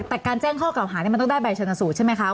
แต่การแจ้งข้อเก่าหานี้มันต้องได้ใบชนสูตรใช่ไหมคะ